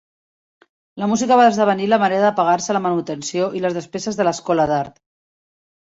La música va esdevenir la manera de pagar-se la manutenció i les despeses de l'escola d'art.